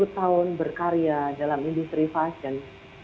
tiga puluh tahun berkarya dalam industri fashion